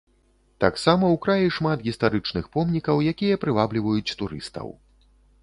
Таксама ў краі шмат гістарычных помнікаў, якія прывабліваюць турыстаў.